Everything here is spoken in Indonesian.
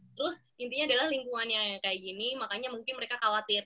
terus intinya adalah lingkungannya yang kayak gini makanya mungkin mereka khawatir